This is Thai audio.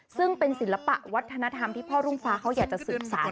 ซึ่งเป็นศิลปะวัฒนธรรมที่พ่อรุ่งฟ้าเขาอยากจะสืบสาร